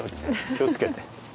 気を付けて。